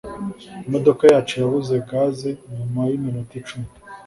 Imodoka yacu yabuze gaze nyuma yiminota icumi